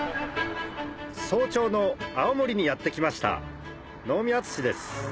早朝の青森にやって来ました能見篤史です